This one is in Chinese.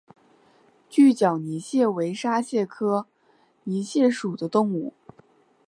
锯脚泥蟹为沙蟹科泥蟹属的动物。